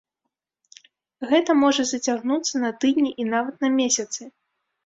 Гэта можа зацягнуцца на тыдні і нават на месяцы.